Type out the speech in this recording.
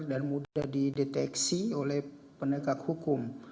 dan mudah dideteksi oleh penegak hukum